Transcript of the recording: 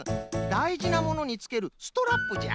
だいじなものにつけるストラップじゃ。